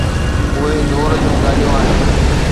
اهي دور جون ڳالهيون آهن.